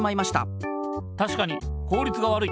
たしかに効率が悪い。